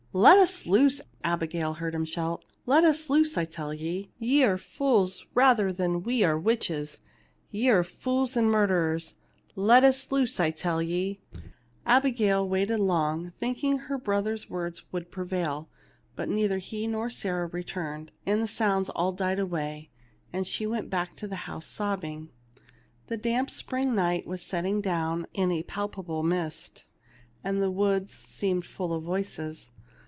" Let us loose V Abigail heard him shout ; "let 239 THE LITTLE MAID AT THE DOOH us loose, I tell ye ! Ye are fools, rather than we are witches ; ye are fools and murderers ! Let us loose, I tell ye !" Abigail waited long, thinking her brother's words would prevail ; but neither he nor Sarah returned, and the sounds all died away, and she went back to the house sobbing. The damp spring night was settling down in a palpable mist, and the woods seemed full of voices.